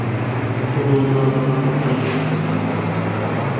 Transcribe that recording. بڕۆ ماڵەوە، ڕیچارد.